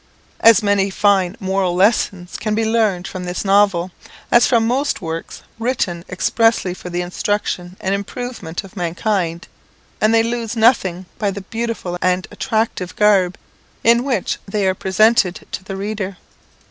As many fine moral lessons can be learned from this novel, as from most works written expressly for the instruction and improvement of mankind; and they lose nothing by the beautiful and attractive garb in which they are presented to the reader.